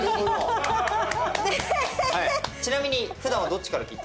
ちなみに普段はどっちから切ってますか？